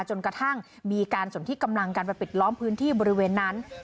จนกระทั่งมีการสนที่กำลังกันไปปิดล้อมพื้นที่บริเวณนั้น